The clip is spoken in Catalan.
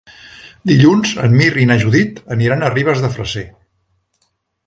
Dilluns en Mirt i na Judit aniran a Ribes de Freser.